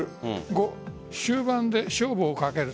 ５、終盤で勝負をかける。